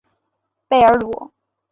贝尔卢。